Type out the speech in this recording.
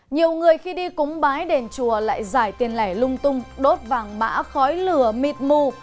nhiều người khi đi cúng bái đền chùa lại giải tiền lẻ lung tung đốt vàng mã khói lửa mịt mù